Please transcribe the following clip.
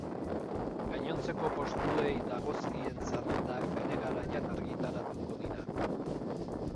Gainontzeko postuei dagozkien zerrendak bere garaian argitaratuko dira.